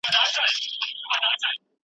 نور یې هېر سو چل د ځان د مړولو .